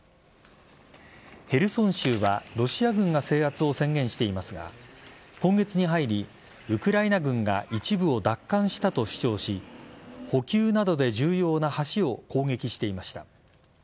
ヘルソン州はロシア軍が制圧を宣言していますが今月に入り、ウクライナ軍が一部を奪還したと主張し補給などで重要な橋を攻撃していました。